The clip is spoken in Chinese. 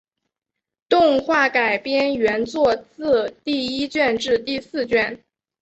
动画改编原作自第一卷至第四卷。